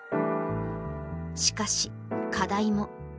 しかし、課題も。